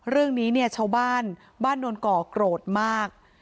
เรื่องนี้เนี่ยชาวบ้านบ้านนวลก่อโกรธมาก